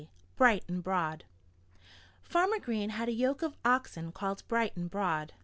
XI BRIGHT AND BROAD Farmer Green had a yoke of oxen called Bright and Broad.